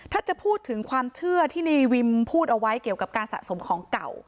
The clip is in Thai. ถ้าจะพูดถึงความเชื่อที่ในวิมพูดเอาไว้เกี่ยวกับการสะสมของเก่า